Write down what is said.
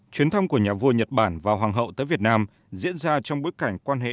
chuyến thăm của nhà vua nhật bản và hoàng hậu tới việt nam diễn ra trong bối cảnh quan hệ